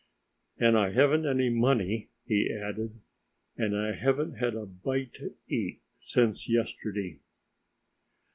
"And I haven't any money," he added, "and I haven't had a bite to eat since yesterday."